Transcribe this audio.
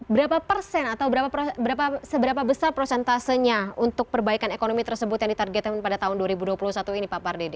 berapa persen atau seberapa besar prosentasenya untuk perbaikan ekonomi tersebut yang ditargetkan pada tahun dua ribu dua puluh satu ini pak pardede